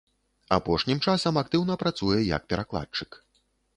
Апошнім часам актыўна працуе як перакладчык.